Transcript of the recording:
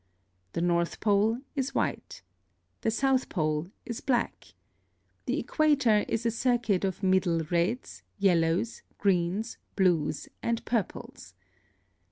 The north pole is white. The south pole is black. The equator is a circuit of middle reds, yellows, greens, blues, and purples.